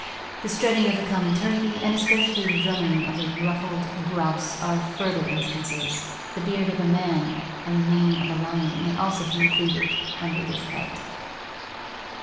The strutting of the common turkey and especially the drumming of the ruffled grouse are further instances. The beard of man and the mane of the lion may also be included under this head.